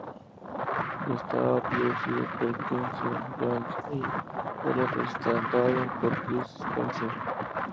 Estaba producido por Quincy Jones y era presentado por Chris Spencer.